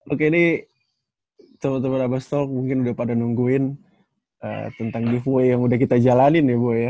oke ini teman teman abastok mungkin udah pada nungguin tentang giveaway yang udah kita jalanin ya bu